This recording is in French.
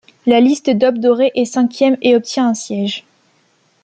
La liste d'Aube dorée est cinquième et obtient un siège.